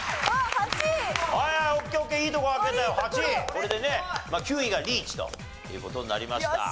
これでね９位がリーチという事になりました。